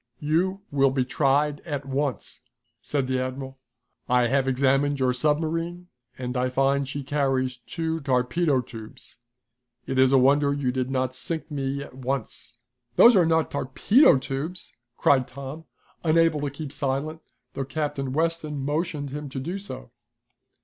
"You will be tried at once," said the admiral. "I have examined your submarine and I find she carries two torpedo tubes. It is a wonder you did not sink me at once." "Those are not torpedo tubes!" cried Tom, unable to keep silent, though Captain Weston motioned him to do so.